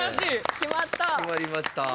決まりました。